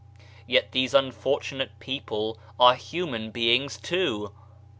Yet these unfortunate people are human beings too.